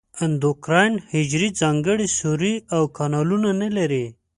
د اندوکراین حجرې ځانګړي سوري او کانالونه نه لري.